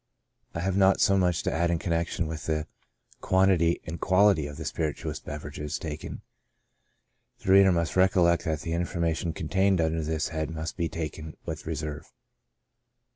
OBSERVATIONS ON SYNOPTICAL TABLE. 1 25 I have not much to add in connection with the quantity and quality of the spirituous beverages taken. The reader must recollect that the information contained under this head must be taken w^ith reserve.